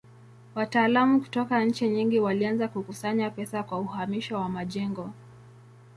Wataalamu kutoka nchi nyingi walianza kukusanya pesa kwa uhamisho wa majengo.